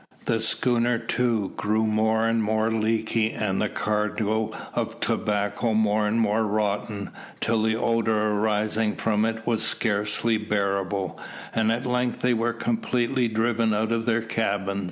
The schooner too grew more and more leaky and the cargo of tobacco more and more rotten, till the odour arising from it was scarcely bearable, and at length they were completely driven out of their cabin.